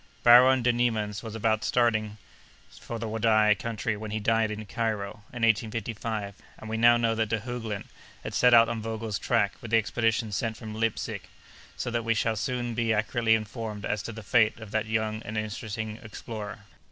"Baron de Neimans was about starting for the Wadai country when he died at Cairo, in 1855; and we now know that De Heuglin has set out on Vogel's track with the expedition sent from Leipsic, so that we shall soon be accurately informed as to the fate of that young and interesting explorer."